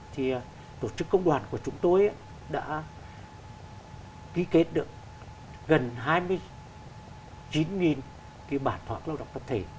thì tổ chức công đoàn của chúng tôi đã ký kết được gần hai mươi chín cái bản thỏa ước lao động tập thể